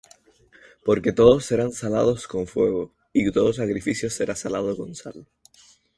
Porque todos serán salados con fuego, y todo sacrificio será salado con sal.